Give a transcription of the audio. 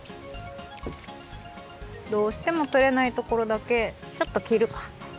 どうしてもとれないところだけちょっときるか。